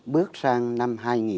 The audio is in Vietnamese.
bước sang năm hai nghìn một mươi chín